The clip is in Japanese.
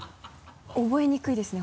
覚えにくいですね